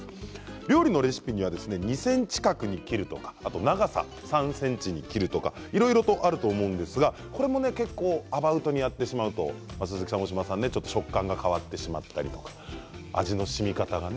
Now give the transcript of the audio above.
料理のレシピには２ｃｍ角に切るとか長さ３ｃｍに切るとかいろいろとあると思うんですがこれも結構アバウトにやってしまうと食感が変わってしまったりとか味のしみ方がね。